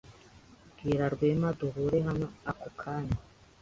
Bwira Rwema duhure hano ako kanya.